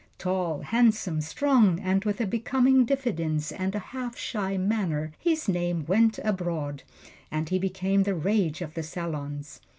Tall, handsome, strong, and with a becoming diffidence and a half shy manner, his name went abroad, and he became the rage of the salons.